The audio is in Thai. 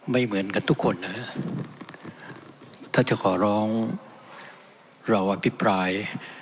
ไม่เหมือนกันทุกคนนะฮะถ้าจะขอร้องเราอภิปราย